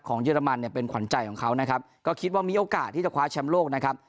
เยอรมันเนี่ยเป็นขวัญใจของเขานะครับก็คิดว่ามีโอกาสที่จะคว้าแชมป์โลกนะครับ